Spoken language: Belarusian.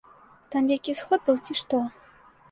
Там які сход быў, ці што?